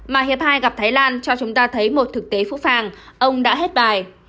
mà hiệp hai gặp thái lan cho chúng ta thấy một thực tế phũ phàng ông đã hết bài